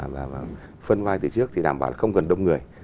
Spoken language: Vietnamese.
và phân vai từ trước thì đảm bảo là không gần đông người